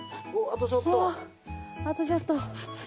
あとちょっと。